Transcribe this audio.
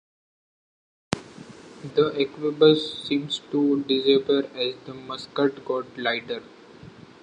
The arquebus seems to disappear as the musket got lighter.